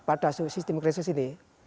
tiap saat kelapangan pada sistem krisis ini